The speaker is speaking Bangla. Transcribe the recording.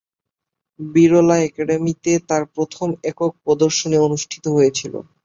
বিড়লা একাডেমিতে তার প্রথম একক প্রদর্শনী অনুষ্ঠিত হয়েছিল।